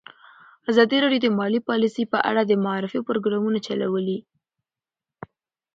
ازادي راډیو د مالي پالیسي په اړه د معارفې پروګرامونه چلولي.